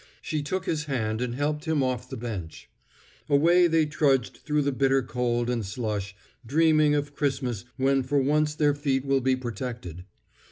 She took his hand and helped him off the bench. Away they trudged through the bitter cold and slush, dreaming of Christmas when for once their feet will be protected.